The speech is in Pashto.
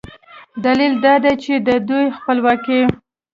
دلیل دا دی چې د دوی خپلواکي